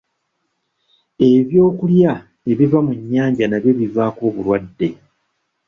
Ebyokulya ebiva mu nnyanja nabyo bivaako obulwadde.